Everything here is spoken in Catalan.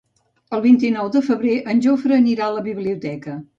El vint-i-nou de febrer en Jofre anirà a la biblioteca.